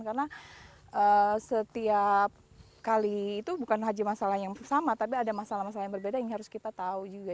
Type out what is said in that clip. karena setiap kali itu bukan saja masalah yang sama tapi ada masalah masalah yang berbeda yang harus kita tahu juga